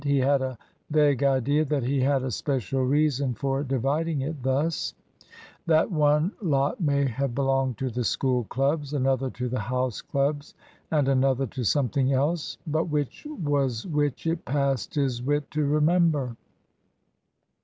He had a vague idea that he had a special reason for dividing it thus that one lot may have belonged to the School clubs, another to the House clubs, and another to something else. But which was which it passed his wit to remember.